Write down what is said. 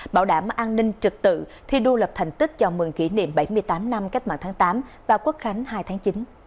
bảo đảm an ninh trực tự thi đua lập thành tích chào mừng kỷ niệm bảy mươi tám năm cách mạng tháng tám và quốc khánh hai tháng chín